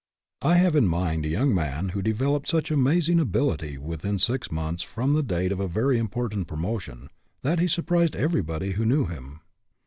I have in mind a young man who developed such amazing ability within six months from the date of a very important promotion, that he surprised everybody who knew him.